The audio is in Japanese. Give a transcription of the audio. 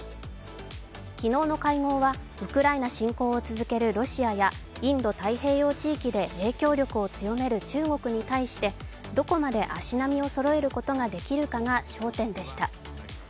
昨日の会合はウクライナ侵攻を続けるロシアやインド太平洋地域で影響力を強める中国に対して、どこまで足並みをそろえることができるかが焦点でした。